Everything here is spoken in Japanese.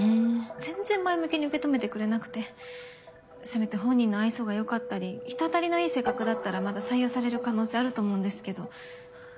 全然前向きに受け止めてくれなくてせめて本人の愛想が良かったり人当たりのいい性格だったらまだ採用される可能性あると思うんですけど。